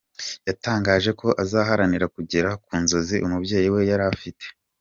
Yatangaje ko azaharanira kugera ku nzozi umubyeyi we yari afite.